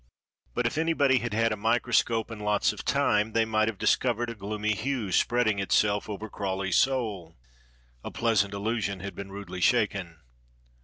But if anybody had had a microscope and lots of time they might have discovered a gloomy hue spreading itself over Crawley's soul. A pleasant illusion had been rudely shaken.